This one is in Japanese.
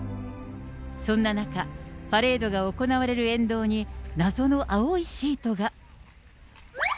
そんな中、パレードが行われる沿道に、謎の青いシートが。